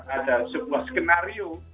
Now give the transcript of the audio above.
ada sebuah skenario